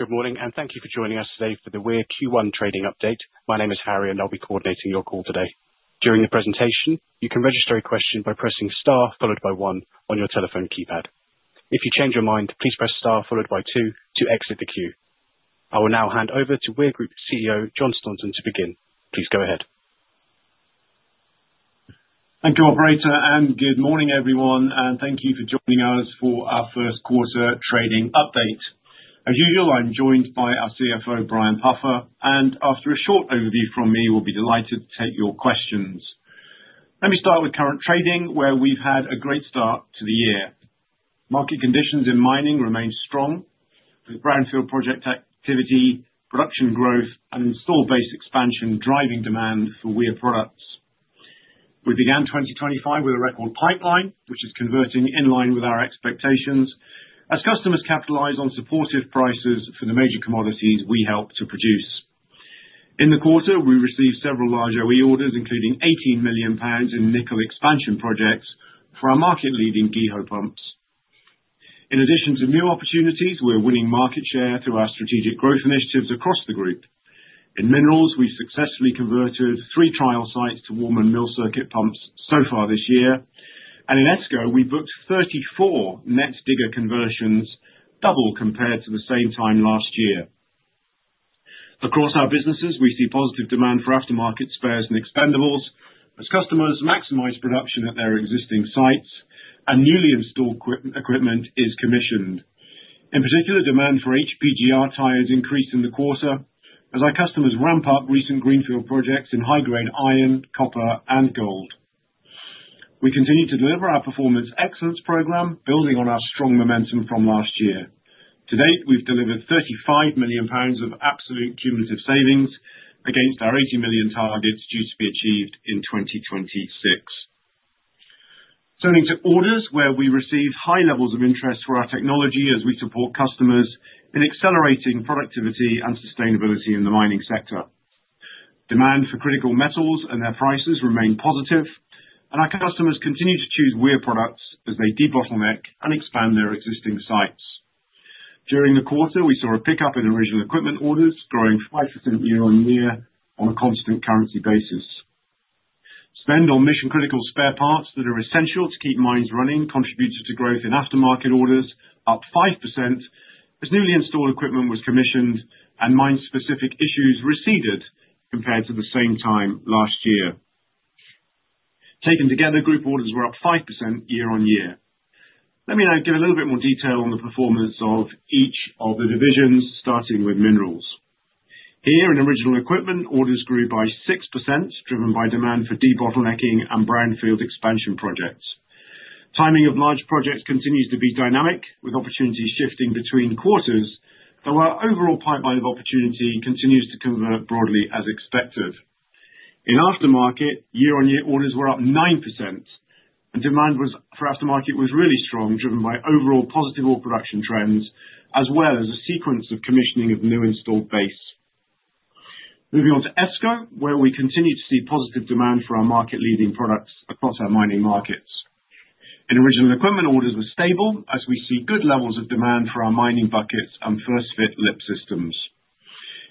Good morning, and thank you for joining us today for the Weir Q1 trading update. My name is Harry, and I'll be coordinating your call today. During the presentation, you can register a question by pressing star followed by one on your telephone keypad. If you change your mind, please press star followed by two to exit the queue. I will now hand over to Weir Group CEO Jon Stanton to begin. Please go ahead. Thank you, Operator, and good morning, everyone. Thank you for joining us for our first quarter trading update. As usual, I am joined by our CFO, Brian Puffer, and after a short overview from me, we will be delighted to take your questions. Let me start with current trading, where we have had a great start to the year. Market conditions in mining remain strong, with brownfield project activity, production growth, and installed base expansion driving demand for Weir products. We began 2025 with a record pipeline, which is converting in line with our expectations as customers capitalize on supportive prices for the major commodities we help to produce. In the quarter, we received several large OE orders, including 18 million pounds in nickel expansion projects for our market-leading GEHO pumps. In addition to new opportunities, we are winning market share through our strategic growth initiatives across the group. In Minerals, we've successfully converted three trial sites to Warman mill circuit pumps so far this year, and in ESCO, we booked 34 net digger conversions, double compared to the same time last year. Across our businesses, we see positive demand for aftermarket spares and expendables as customers maximize production at their existing sites, and newly installed equipment is commissioned. In particular, demand for HPGR tires increased in the quarter as our customers ramp up recent greenfield projects in high-grade iron, copper, and gold. We continue to deliver our Performance Excellence program, building on our strong momentum from last year. To date, we've delivered 35 million pounds of absolute cumulative savings against our 80 million targets due to be achieved in 2026. Turning to orders, where we receive high levels of interest for our technology as we support customers in accelerating productivity and sustainability in the mining sector. Demand for critical metals and their prices remain positive, and our customers continue to choose Weir products as they de-bottleneck and expand their existing sites. During the quarter, we saw a pickup in original equipment orders, growing 5% year on year on a constant currency basis. Spend on mission-critical spare parts that are essential to keep mines running contributed to growth in aftermarket orders, up 5%, as newly installed equipment was commissioned and mine-specific issues receded compared to the same time last year. Taken together, group orders were up 5% year on year. Let me now give a little bit more detail on the performance of each of the divisions, starting with minerals. Here, in original equipment, orders grew by 6%, driven by demand for de-bottlenecking and brownfield expansion projects. Timing of large projects continues to be dynamic, with opportunities shifting between quarters, though our overall pipeline of opportunity continues to convert broadly as expected. In aftermarket, year-on-year orders were up 9%, and demand for aftermarket was really strong, driven by overall positive ore production trends as well as a sequence of commissioning of new installed base. Moving on to ESCO, where we continue to see positive demand for our market-leading products across our mining markets. In original equipment, orders were stable as we see good levels of demand for our mining buckets and first-fit lip systems.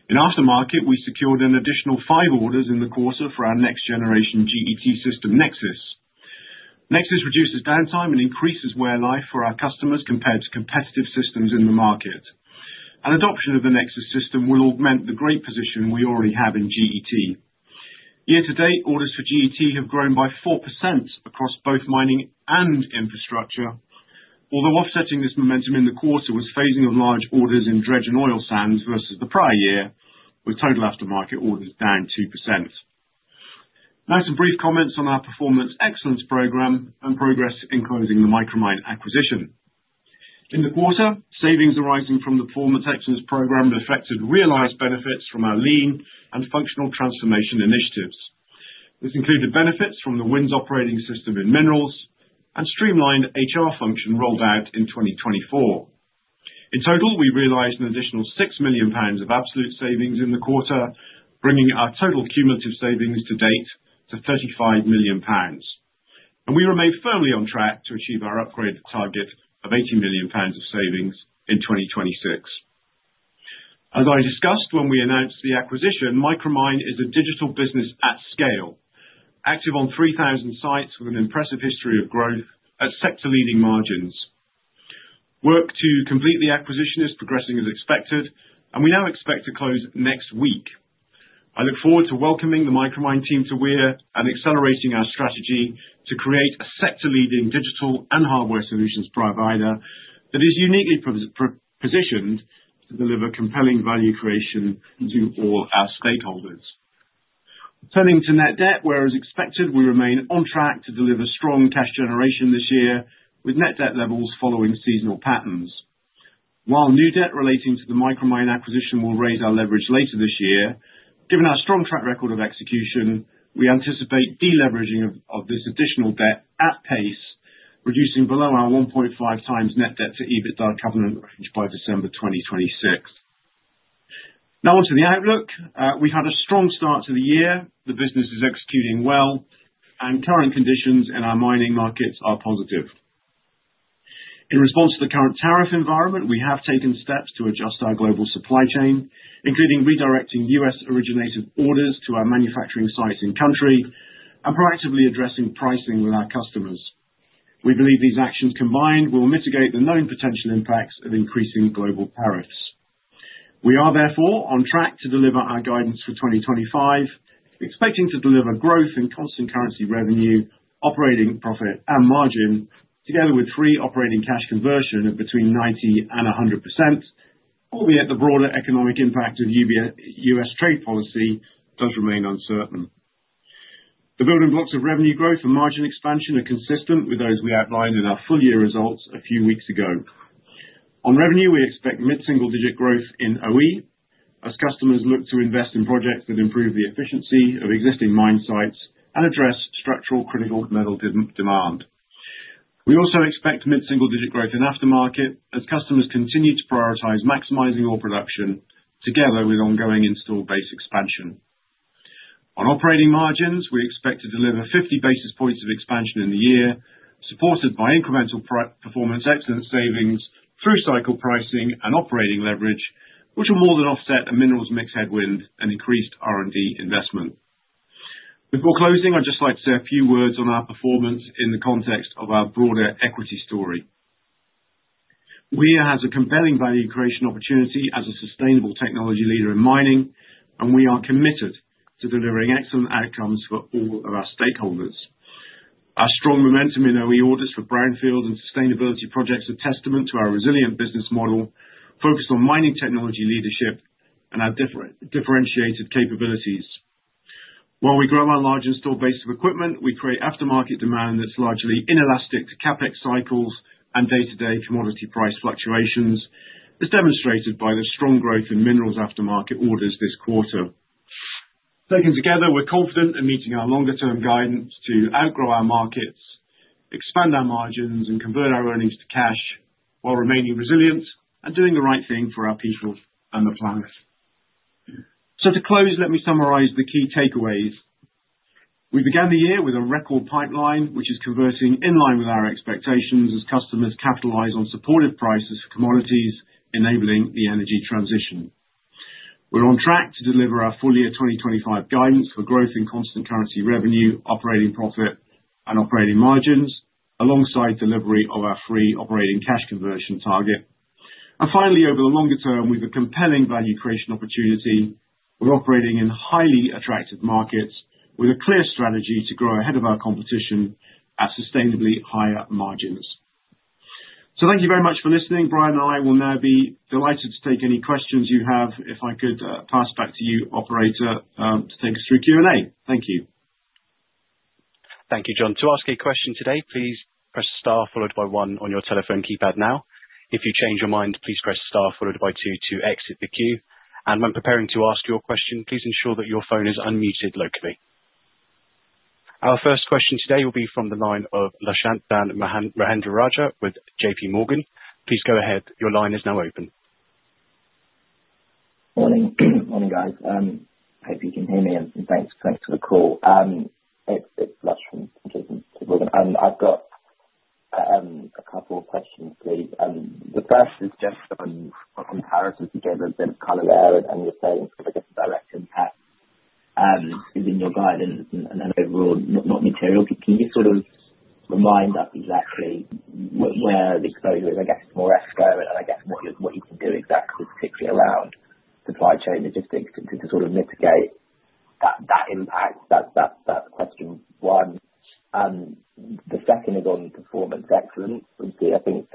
In aftermarket, we secured an additional five orders in the quarter for our next-generation G.E.T. system, Nexsys. Nexsys reduces downtime and increases wear life for our customers compared to competitive systems in the market. An adoption of the Nexsys system will augment the great position we already have in G.E.T. Year-to-date, orders for G.E.T. have grown by 4% across both mining and infrastructure, although offsetting this momentum in the quarter was phasing of large orders in dredge and oil sands versus the prior year, with total aftermarket orders down 2%. Now, some brief comments on our Performance Excellence program and progress in closing the Micromine acquisition. In the quarter, savings arising from the Performance Excellence program affected realized benefits from our lean and functional transformation initiatives. This included benefits from the WINS operating system in Minerals and streamlined HR function rolled out in 2024. In total, we realized an additional 6 million pounds of absolute savings in the quarter, bringing our total cumulative savings to date to 35 million pounds. We remain firmly on track to achieve our upgrade target of 80 million pounds of savings in 2026. As I discussed when we announced the acquisition, Micromine is a digital business at scale, active on 3,000 sites with an impressive history of growth at sector-leading margins. Work to complete the acquisition is progressing as expected, and we now expect to close next week. I look forward to welcoming the Micromine team to Weir and accelerating our strategy to create a sector-leading digital and hardware solutions provider that is uniquely positioned to deliver compelling value creation to all our stakeholders. Turning to net debt, whereas expected, we remain on track to deliver strong cash generation this year, with net debt levels following seasonal patterns. While new debt relating to the Micromine acquisition will raise our leverage later this year, given our strong track record of execution, we anticipate deleveraging of this additional debt at pace, reducing below our 1.5x net debt to EBITDA covenant by December 2026. Now, onto the outlook. We've had a strong start to the year. The business is executing well, and current conditions in our mining markets are positive. In response to the current tariff environment, we have taken steps to adjust our global supply chain, including redirecting U.S.-originated orders to our manufacturing sites in country and proactively addressing pricing with our customers. We believe these actions combined will mitigate the known potential impacts of increasing global tariffs. We are, therefore, on track to deliver our guidance for 2025, expecting to deliver growth in constant currency revenue, operating profit, and margin, together with free operating cash conversion of between 90% and 100%, albeit the broader economic impact of U.S. trade policy does remain uncertain. The building blocks of revenue growth and margin expansion are consistent with those we outlined in our full-year results a few weeks ago. On revenue, we expect mid-single-digit growth in OE as customers look to invest in projects that improve the efficiency of existing mine sites and address structural critical metal demand. We also expect mid-single-digit growth in aftermarket as customers continue to prioritize maximizing ore production together with ongoing installed base expansion. On operating margins, we expect to deliver 50 basis points of expansion in the year, supported by incremental Performance Excellence program savings through cycle pricing and operating leverage, which will more than offset a minerals mix headwind and increased R&D investment. Before closing, I'd just like to say a few words on our performance in the context of our broader equity story. Weir has a compelling value creation opportunity as a sustainable technology leader in mining, and we are committed to delivering excellent outcomes for all of our stakeholders. Our strong momentum in OE orders for brownfield and sustainability projects is a testament to our resilient business model focused on mining technology leadership and our differentiated capabilities. While we grow our large installed base of equipment, we create aftermarket demand that's largely inelastic to CapEx cycles and day-to-day commodity price fluctuations, as demonstrated by the strong growth in Minerals aftermarket orders this quarter. Taken together, we're confident in meeting our longer-term guidance to outgrow our markets, expand our margins, and convert our earnings to cash while remaining resilient and doing the right thing for our people and the planet. To close, let me summarize the key takeaways. We began the year with a record pipeline, which is converting in line with our expectations as customers capitalize on supportive prices for commodities, enabling the energy transition. We're on track to deliver our full-year 2025 guidance for growth in constant currency revenue, operating profit, and operating margins, alongside delivery of our free operating cash conversion target. Finally, over the longer term, we have a compelling value creation opportunity. We're operating in highly attractive markets with a clear strategy to grow ahead of our competition at sustainably higher margins. Thank you very much for listening. Brian and I will now be delighted to take any questions you have. If I could pass back to you, Operator, to take us through Q&A. Thank you. Thank you, John. To ask a question today, please press star followed by one on your telephone keypad now. If you change your mind, please press star followed by two to exit the queue. When preparing to ask your question, please ensure that your phone is unmuted locally. Our first question today will be from the line of Lushanthan Mahendrarajah with JPMorgan. Please go ahead. Your line is now open. Morning. Morning, guys. Hope you can hear me, and thanks for the call. It's Lushanthan Mahendrarajah with. I've got a couple of questions, please. The first is just on tariffs in particular, a bit of color there, and you're saying it's got a direct impact within your guidance and overall, not material. Can you sort of remind us exactly where the exposure is? I guess it's more ESCO, and I guess what you can do exactly particularly around supply chain logistics to sort of mitigate that impact. That's question one. The second is on Performance Excellence. I think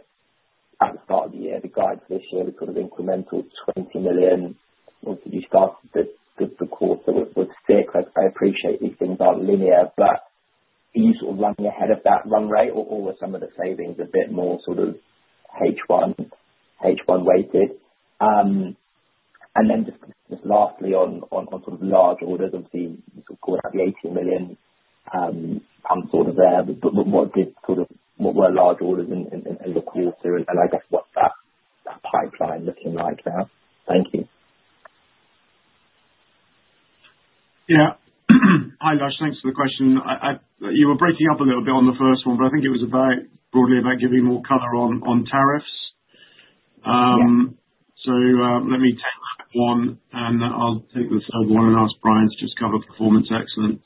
at the start of the year, the guidance this year was sort of incremental 20 million. Obviously, you started the quarter with stick. I appreciate these things are not linear, but are you sort of running ahead of that run rate, or were some of the savings a bit more sort of H1-weighted? Lastly, on large orders, obviously, you called out the GBP 18 million there. What were large orders in the quarter, and I guess what is that pipeline looking like now? Thank you. Yeah. Hi, Lushanthan. Thanks for the question. You were breaking up a little bit on the first one, but I think it was broadly about giving more color on tariffs. Let me take that one, and I'll take the third one and ask Brian to just cover Performance Excellence.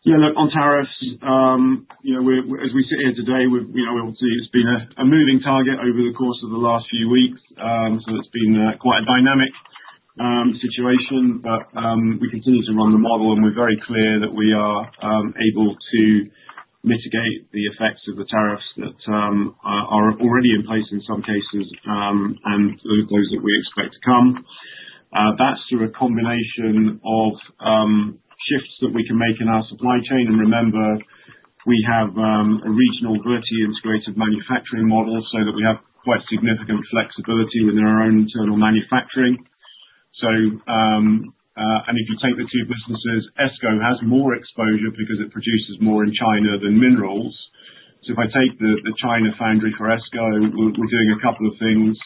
Yeah, look, on tariffs, as we sit here today, obviously, it's been a moving target over the course of the last few weeks. It's been quite a dynamic situation, but we continue to run the model, and we're very clear that we are able to mitigate the effects of the tariffs that are already in place in some cases and those that we expect to come. That's through a combination of shifts that we can make in our supply chain. Remember, we have a regional virtually integrated manufacturing model, so that we have quite significant flexibility within our own internal manufacturing. If you take the two businesses, ESCO has more exposure because it produces more in China than Minerals. If I take the China foundry for ESCO, we're doing a couple of things.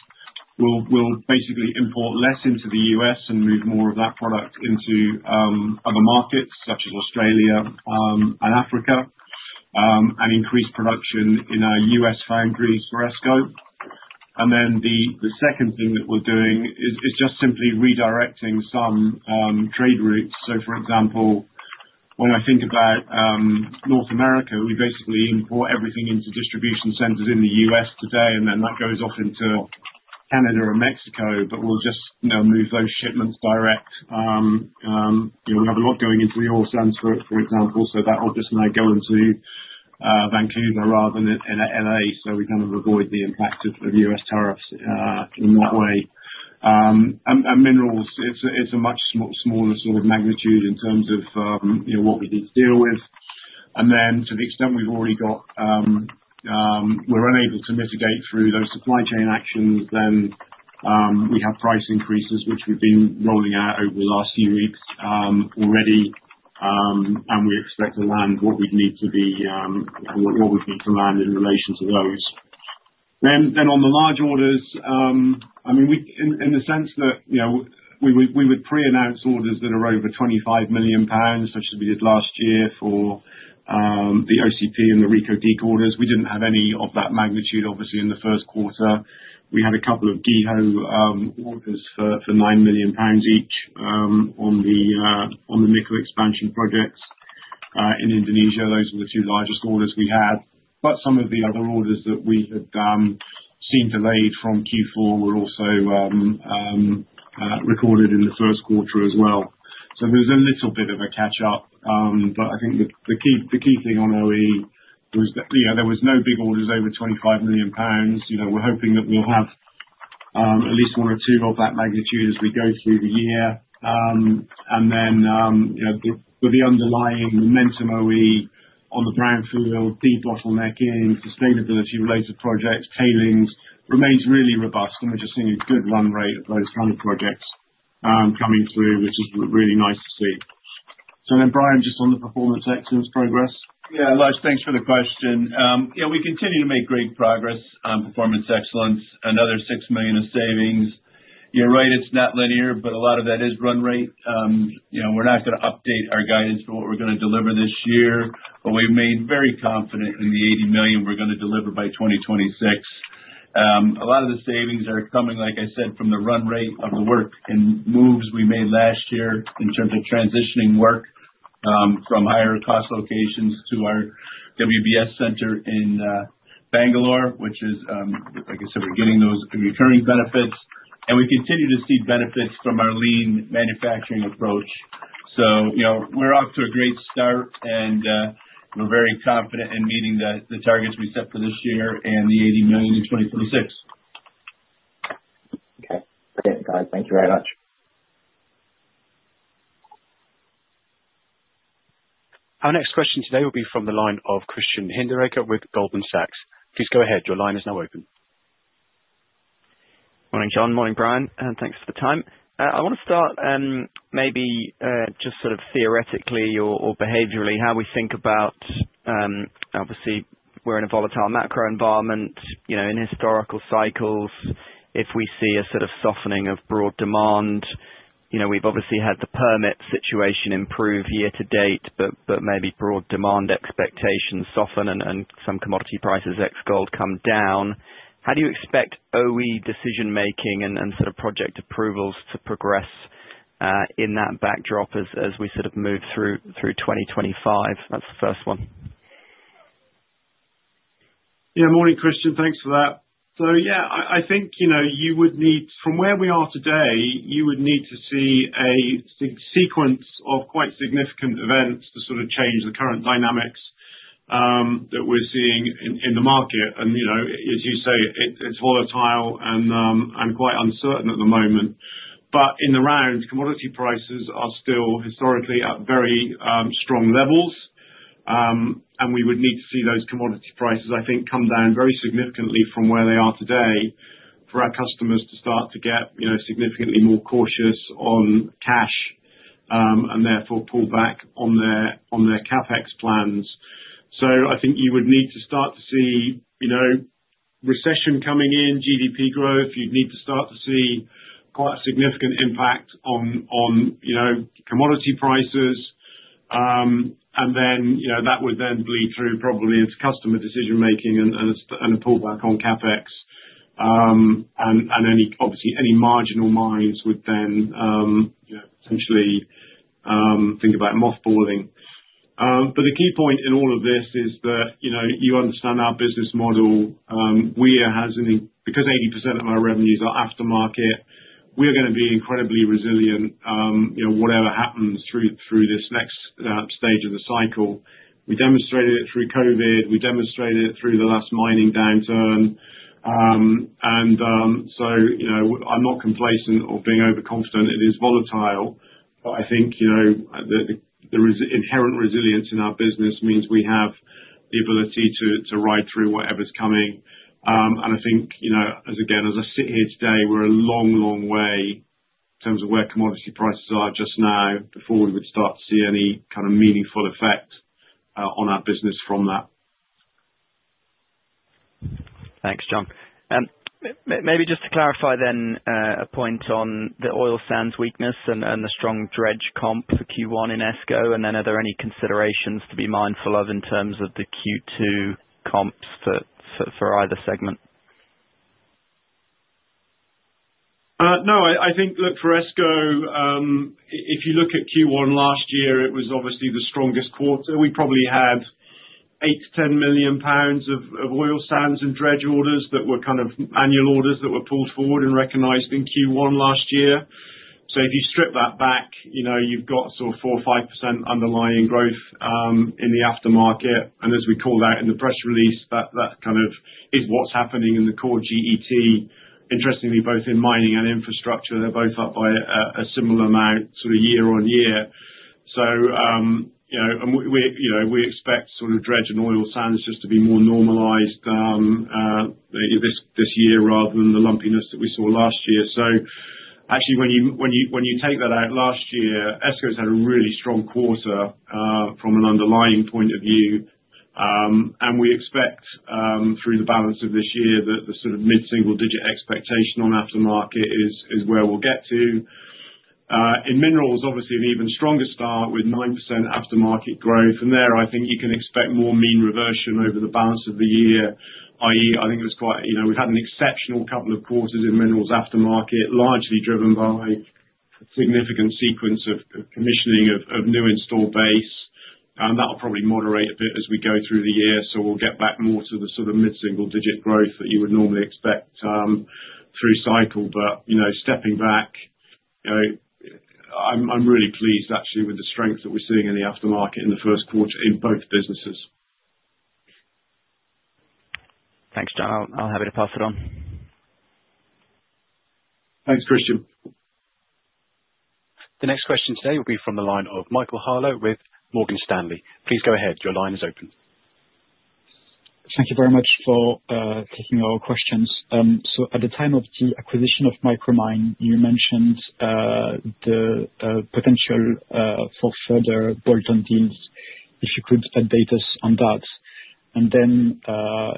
We'll basically import less into the U.S. and move more of that product into other markets such as Australia and Africa and increase production in our U.S. foundries for ESCO. The second thing that we're doing is just simply redirecting some trade routes. For example, when I think about North America, we basically import everything into distribution centers in the U.S. today, and then that goes off into Canada or Mexico, but we'll just move those shipments direct. We have a lot going into the oil sands, for example, so that will just now go into Vancouver rather than L.A., so we kind of avoid the impact of U.S. tariffs in that way. Minerals, it's a much smaller sort of magnitude in terms of what we need to deal with. To the extent we've already got, we're unable to mitigate through those supply chain actions, we have price increases, which we've been rolling out over the last few weeks already, and we expect to land what we'd need to be what we'd need to land in relation to those. On the large orders, I mean, in the sense that we would pre-announce orders that are over 25 million pounds, such as we did last year for the OCP and the Rio Tinto orders. We did not have any of that magnitude, obviously, in the first quarter. We had a couple of GEHO orders for 9 million pounds each on the Micromine expansion projects in Indonesia. Those were the two largest orders we had. Some of the other orders that we had seen delayed from Q4 were also recorded in the first quarter as well. There was a little bit of a catch-up, but I think the key thing on OE was that there were no big orders over 25 million pounds. We are hoping that we will have at least one or two of that magnitude as we go through the year. The underlying momentum OE on the brownfield, de-bottlenecking, sustainability-related projects, tailings remains really robust, and we are just seeing a good run rate of those kind of projects coming through, which is really nice to see. Brian, just on the Performance Excellence progress. Yeah, Lushanthan, thanks for the question. Yeah, we continue to make great progress on Performance Excellence and another 6 million of savings. You're right, it's not linear, but a lot of that is run rate. We're not going to update our guidance for what we're going to deliver this year, but we're very confident in the 80 million we're going to deliver by 2026. A lot of the savings are coming, like I said, from the run rate of the work and moves we made last year in terms of transitioning work from higher cost locations to our WBS center in Bangalore, which is, like I said, we're getting those recurring benefits. We continue to see benefits from our lean manufacturing approach. We're off to a great start, and we're very confident in meeting the targets we set for this year and the 80 million in 2026. Okay. Brilliant, guys. Thank you very much. Our next question today will be from the line of Christian Hinderaker with Goldman Sachs. Please go ahead. Your line is now open. Morning, John. Morning, Brian. Thanks for the time. I want to start maybe just sort of theoretically or behaviorally how we think about, obviously, we're in a volatile macro environment. In historical cycles, if we see a sort of softening of broad demand, we've obviously had the permit situation improve year to date, but maybe broad demand expectations soften and some commodity prices ex gold come down. How do you expect OE decision-making and sort of project approvals to progress in that backdrop as we sort of move through 2025? That's the first one. Yeah, morning, Christian. Thanks for that. Yeah, I think you would need, from where we are today, you would need to see a sequence of quite significant events to sort of change the current dynamics that we're seeing in the market. As you say, it's volatile and quite uncertain at the moment. In the round, commodity prices are still historically at very strong levels, and we would need to see those commodity prices, I think, come down very significantly from where they are today for our customers to start to get significantly more cautious on cash and therefore pull back on their CapEx plans. I think you would need to start to see recession coming in, GDP growth. You'd need to start to see quite a significant impact on commodity prices. That would then bleed through probably into customer decision-making and a pullback on CapEx. Obviously, any marginal mines would then potentially think about mothballing. The key point in all of this is that you understand our business model. Weir, because 80% of our revenues are aftermarket, we are going to be incredibly resilient whatever happens through this next stage of the cycle. We demonstrated it through COVID. We demonstrated it through the last mining downturn. I am not complacent or being overconfident. It is volatile, but I think the inherent resilience in our business means we have the ability to ride through whatever is coming. I think, again, as I sit here today, we are a long, long way in terms of where commodity prices are just now before we would start to see any kind of meaningful effect on our business from that. Thanks, John. Maybe just to clarify then a point on the oil sands weakness and the strong dredge comp for Q1 in ESCO. Are there any considerations to be mindful of in terms of the Q2 comps for either segment? No. I think, look, for ESCO, if you look at Q1 last year, it was obviously the strongest quarter. We probably had 8 million-10 million pounds of oil sands and dredge orders that were kind of annual orders that were pulled forward and recognized in Q1 last year. If you strip that back, you have got sort of 4%-5% underlying growth in the aftermarket. As we call that in the press release, that kind of is what is happening in the core G.E.T., interestingly, both in mining and infrastructure. They are both up by a similar amount sort of year on year. We expect dredge and oil sands just to be more normalized this year rather than the lumpiness that we saw last year. Actually, when you take that out last year, ESCO has had a really strong quarter from an underlying point of view. We expect through the balance of this year that the sort of mid-single-digit expectation on aftermarket is where we'll get to. In minerals, obviously, an even stronger start with 9% aftermarket growth. There, I think you can expect more mean reversion over the balance of the year, i.e., I think it was quite we've had an exceptional couple of quarters in minerals aftermarket, largely driven by a significant sequence of commissioning of new installed base. That'll probably moderate a bit as we go through the year. We'll get back more to the sort of mid-single-digit growth that you would normally expect through cycle. Stepping back, I'm really pleased actually with the strength that we're seeing in the aftermarket in the first quarter in both businesses. Thanks, John. I'm happy to pass it on. Thanks, Christian. The next question today will be from the line of Michael Harlow with Morgan Stanley. Please go ahead. Your line is open. Thank you very much for taking our questions. At the time of the acquisition of Micromine, you mentioned the potential for further bolt-on deals. If you could update us on that.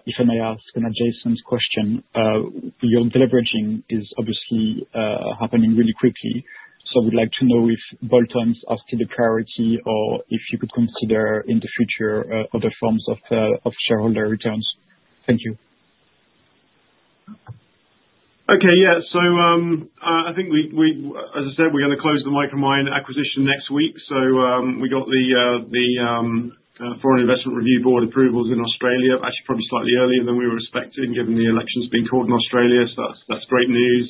If I may ask an adjacent question, your deleveraging is obviously happening really quickly. I would like to know if bolt-ons are still a priority or if you could consider in the future other forms of shareholder returns. Thank you. Okay. Yeah. I think, as I said, we're going to close the Micromine acquisition next week. We got the Foreign Investment Review Board approvals in Australia, actually probably slightly earlier than we were expecting given the elections being called in Australia. That's great news.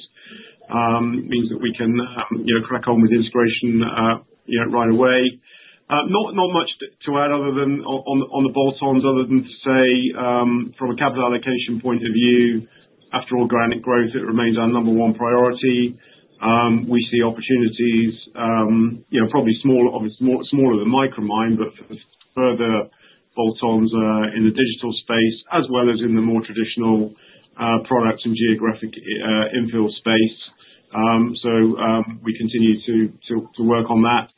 It means that we can crack on with integration right away. Not much to add on the bolt-ons, other than to say from a capital allocation point of view, after all, granite growth remains our number one priority. We see opportunities, probably smaller than Micromine, for further bolt-ons in the digital space as well as in the more traditional products and geographic infill space. We continue to work on that.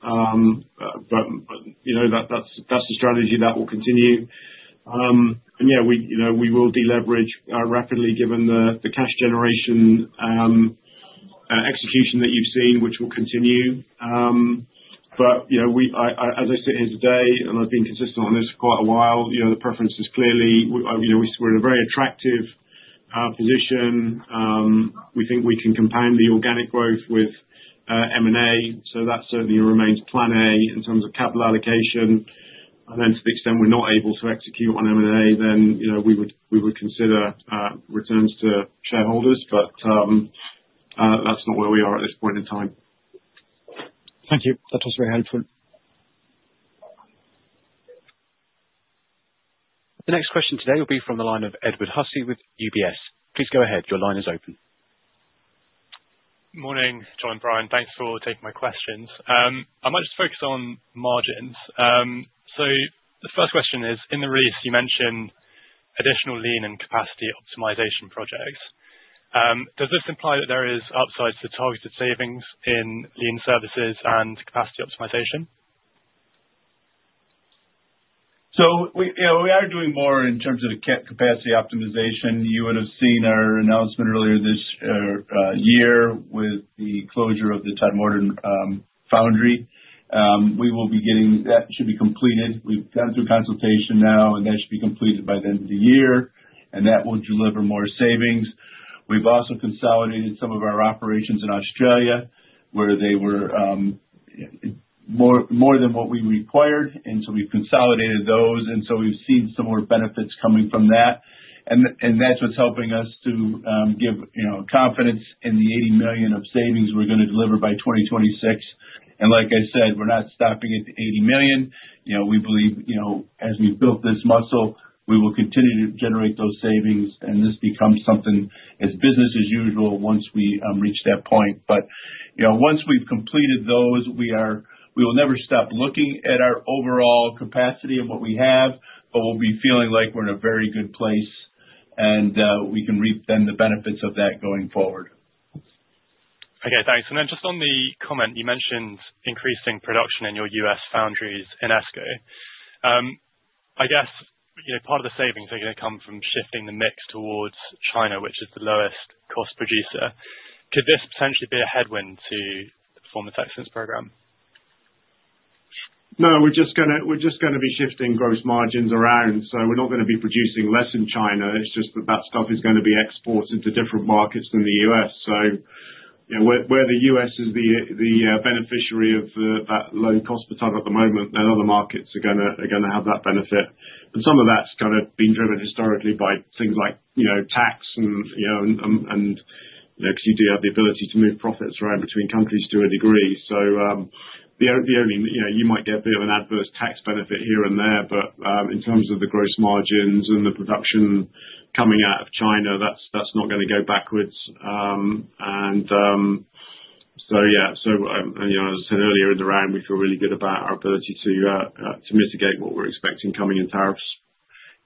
That's the strategy that will continue. Yeah, we will deleverage rapidly given the cash generation execution that you've seen, which will continue. As I sit here today, and I've been consistent on this for quite a while, the preference is clearly we're in a very attractive position. We think we can compound the organic growth with M&A. That certainly remains plan A in terms of capital allocation. To the extent we're not able to execute on M&A, we would consider returns to shareholders. That's not where we are at this point in time. Thank you. That was very helpful. The next question today will be from the line of Edward Hussey with UBS. Please go ahead. Your line is open. Morning, John and Brian. Thanks for taking my questions. I might just focus on margins. The first question is, in the release, you mentioned additional lean and capacity optimization projects. Does this imply that there is upside to targeted savings in lean services and capacity optimization? We are doing more in terms of capacity optimization. You would have seen our announcement earlier this year with the closure of the Todmorden foundry. We will be getting that should be completed. We've gone through consultation now, and that should be completed by the end of the year. That will deliver more savings. We've also consolidated some of our operations in Australia where they were more than what we required. We've consolidated those. We've seen some more benefits coming from that. That's what's helping us to give confidence in the 80 million of savings we're going to deliver by 2026. Like I said, we're not stopping at the 80 million. We believe as we've built this muscle, we will continue to generate those savings. This becomes something as business as usual once we reach that point. Once we've completed those, we will never stop looking at our overall capacity and what we have, but we'll be feeling like we're in a very good place and we can reap then the benefits of that going forward. Okay. Thanks. On the comment, you mentioned increasing production in your U.S. foundries in ESCO. I guess part of the savings are going to come from shifting the mix towards China, which is the lowest cost producer. Could this potentially be a headwind to the Performance Excellence program? No. We're just going to be shifting gross margins around. We're not going to be producing less in China. It's just that that stuff is going to be exported to different markets than the U.S. Where the U.S. is the beneficiary of that low cost at the moment, other markets are going to have that benefit. Some of that's kind of been driven historically by things like tax and because you do have the ability to move profits around between countries to a degree. The only thing is you might get a bit of an adverse tax benefit here and there. In terms of the gross margins and the production coming out of China, that's not going to go backwards. As I said earlier in the round, we feel really good about our ability to mitigate what we're expecting coming in tariffs.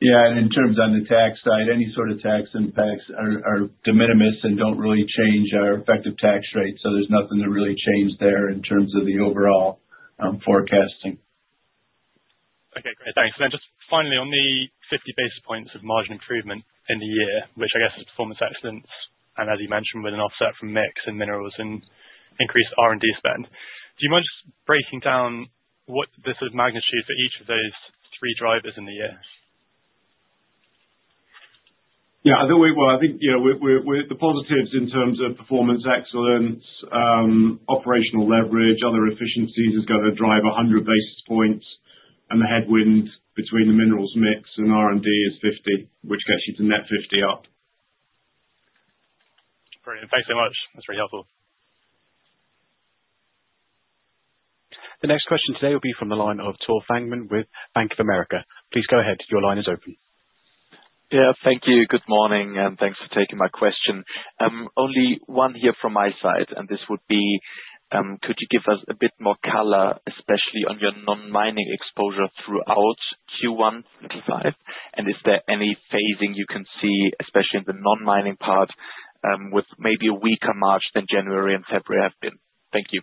Yeah. In terms of the tax side, any sort of tax impacts are de minimis and do not really change our effective tax rate. There is nothing to really change there in terms of the overall forecasting. Okay. Great. Thanks. Finally, on the 50 basis points of margin improvement in the year, which I guess is Performance Excellence and, as you mentioned, with an offset from mix and minerals and increased R&D spend, do you mind just breaking down what the sort of magnitude for each of those three drivers in the year? Yeah. I think the positives in terms of Performance Excellence, operational leverage, other efficiencies is going to drive 100 basis points. The headwind between the minerals mix and R&D is 50, which gets you to net 50 up. Brilliant. Thanks so much. That's really helpful. The next question today will be from the line of Tore Fangmann with Bank of America. Please go ahead. Your line is open. Yeah. Thank you. Good morning. Thanks for taking my question. Only one here from my side. This would be, could you give us a bit more color, especially on your non-mining exposure throughout Q1, Q5? Is there any phasing you can see, especially in the non-mining part, with maybe a weaker March than January and February have been? Thank you.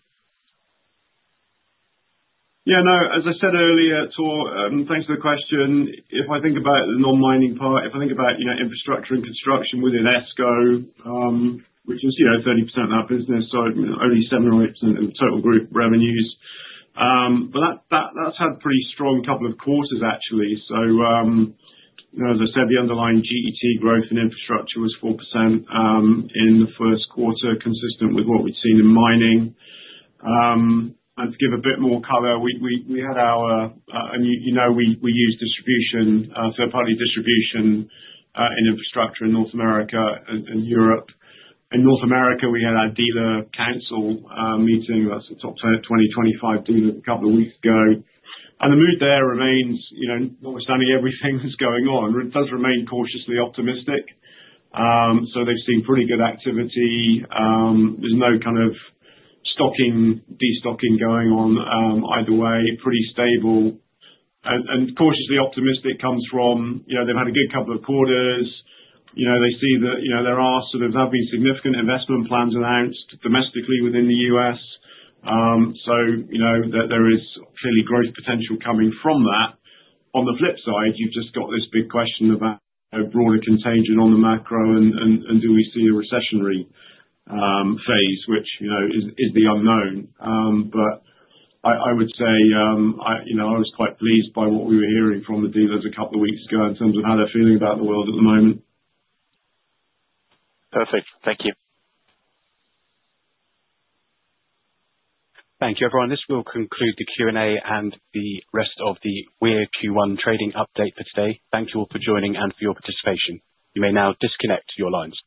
Yeah. No. As I said earlier, Tor, thanks for the question. If I think about the non-mining part, if I think about infrastructure and construction within ESCO, which is 30% of our business, so only 7% or 8% of the total group revenues. That has had a pretty strong couple of quarters, actually. As I said, the underlying G.E.T. growth in infrastructure was 4% in the first quarter, consistent with what we had seen in mining. To give a bit more color, we use third-party distribution in infrastructure in North America and Europe. In North America, we had our dealer council meeting. That is the top 20-25 dealers a couple of weeks ago. The mood there remains, notwithstanding everything that is going on. It does remain cautiously optimistic. They have seen pretty good activity. There is no kind of stocking or destocking going on either way. Pretty stable. Cautiously optimistic comes from they've had a good couple of quarters. They see that there have been significant investment plans announced domestically within the U.S. There is clearly growth potential coming from that. On the flip side, you've just got this big question about broader contagion on the macro and do we see a recessionary phase, which is the unknown. I would say I was quite pleased by what we were hearing from the dealers a couple of weeks ago in terms of how they're feeling about the world at the moment. Perfect. Thank you. Thank you, everyone. This will conclude the Q&A and the rest of the Weir Q1 trading update for today. Thank you all for joining and for your participation. You may now disconnect your lines.